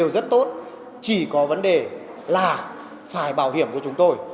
rất tốt chỉ có vấn đề là phải bảo hiểm của chúng tôi